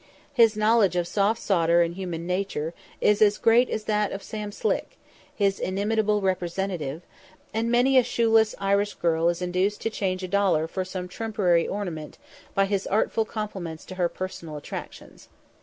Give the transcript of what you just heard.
His knowledge of "soft sawder and human natur" is as great as that of Sam Slick, his inimitable representative; and many a shoeless Irish girl is induced to change a dollar for some trumpery ornament, by his artful compliments to her personal attractions.